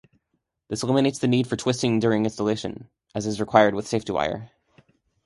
This eliminates the need for twisting during installation, as is required with safety wire.